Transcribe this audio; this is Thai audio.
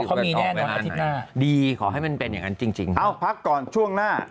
เขามีแน่นอนอาทิตย์หน้าดีขอให้มันเป็นอย่างนั้นจริงจริงเอ้าพักก่อนช่วงหน้า